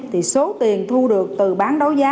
thì số tiền thu được từ bán đấu giá